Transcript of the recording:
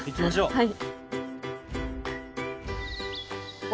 はい。